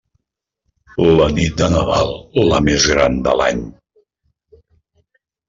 La nit de Nadal, la més gran de l'any.